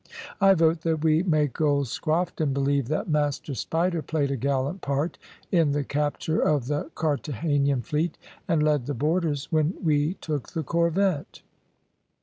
I vote that we make old Scrofton believe that `Master Spider' played a gallant part in the capture of the Carthagenan fleet, and led the boarders when we took the corvette."